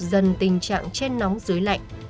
dần tình trạng trên nóng dưới lạnh